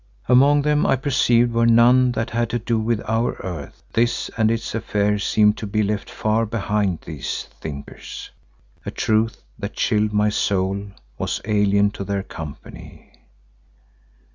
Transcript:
Among them I perceived were none that had to do with our earth; this and its affairs seemed to be left far behind these thinkers, a truth that chilled my soul was alien to their company.